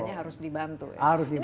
istilahnya harus dibantu